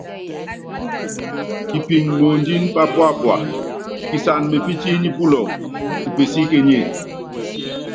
Kipin moondín papúápua, kisan menyépítíínyi pulɔk ku pesíkényé.